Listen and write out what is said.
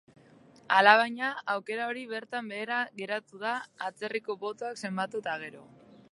Alabaina, aukera hori bertan behera geratu da atzerriko botoak zenbatu eta gero.